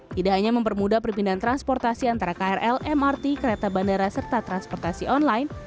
tidak hanya mempermudah perpindahan transportasi antara krl mrt kereta bandara serta transportasi online